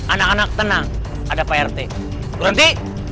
anak anak tenang ada prt berhenti